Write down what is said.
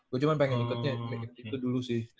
gua cuman pengen ikutnya pengen ikut itu dulu sih